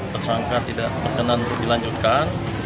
tersangka tidak berkenan untuk dilanjutkan